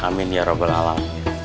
amin ya rabbal alam